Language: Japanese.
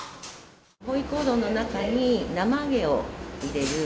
回鍋肉の中に生揚げを入れる。